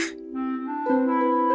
kau bisa jadi apa